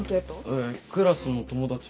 えクラスの友達。